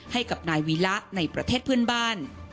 ให้กับนายวีระในประเทศเพื่อนบ้าน